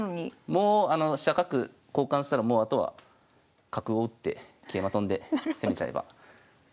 もう飛車角交換したらもうあとは角を打って桂馬跳んで攻めちゃえば。